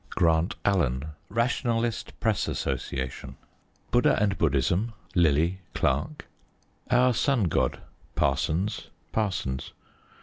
_ Grant Allen. Rationalist Press Association. Buddha and Buddhism. Lillie. Clark. Our Sun God. Parsons. Parsons.